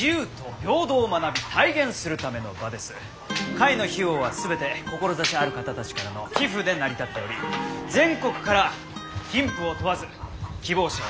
会の費用は全て志ある方たちからの寄付で成り立っており全国から貧富を問わず希望者を受け付けています。